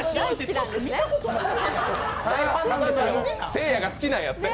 せいやが好きなんやて。